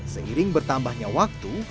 seiring bertambahnya waktu